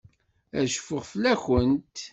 Ad cfuɣ fell-akent.